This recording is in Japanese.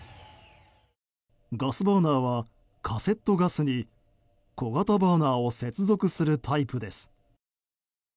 ガスバーナーはカセットガスに小型バーナーを接続するタイプです。